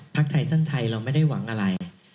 ไทยสั้นไทยเราไม่ได้หวังอะไร